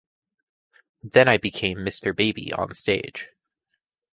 Then I became Mr. Baby onstage.